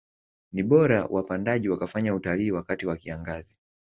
Ni bora wapandaji wakafanya utalii wakati wa kiangazi